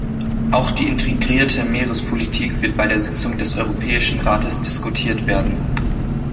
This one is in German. Auch die integrierte Meerespolitik wird bei der Sitzung des Europäischen Rates diskutiert werden.